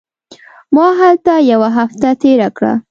ما هلته یوه هفته تېره کړه.